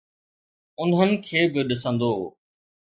انهن کي به ڏسندو.